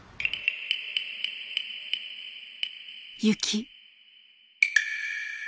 雪。